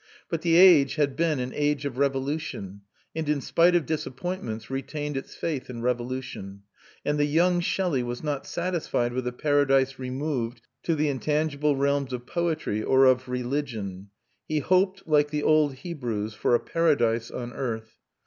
But the age had been an age of revolution and, in spite of disappointments, retained its faith in revolution; and the young Shelley was not satisfied with a paradise removed to the intangible realms of poetry or of religion; he hoped, like the old Hebrews, for a paradise on earth.